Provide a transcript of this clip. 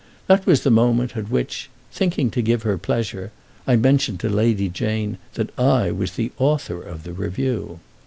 That was the moment at which, thinking to give her pleasure, I mentioned to Lady Jane that I was the author of the review.